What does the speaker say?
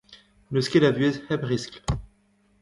N'eus ket a vuhez hep riskl.